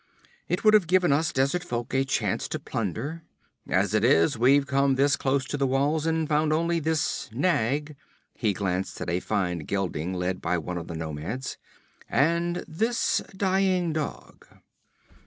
It would have given us desert folk a chance to plunder. As it is we've come this close to the walls and found only this nag' he glanced at a fine gelding led by one of the nomads 'and this dying dog.'